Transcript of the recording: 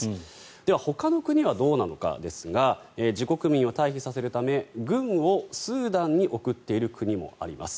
では、ほかの国はどうなのかですが自国民を退避させるため軍をスーダンに送っている国もあります。